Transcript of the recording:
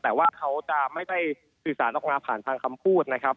แต่ว่าเขาจะไม่ได้สื่อสารออกมาผ่านทางคำพูดนะครับ